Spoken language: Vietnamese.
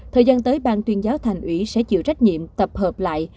thời gian tới ban tuyên giáo thành ủy sẽ chịu trách nhiệm tập hợp lại